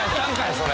それ。